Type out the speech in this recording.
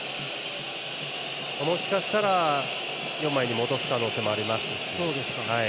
もしかしたら４枚に戻す可能性もありますね。